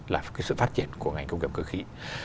là cái sự phát triển của ngành công nghiệp cơ khí